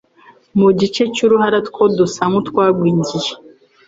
mu gice cy'uruhara two dusa n'utwagwingiye,